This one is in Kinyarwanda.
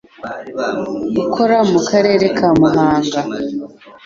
ukora mu Karere ka Muhanga,